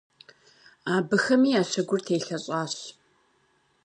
Абыхэми я щыгур телъэщӀащ.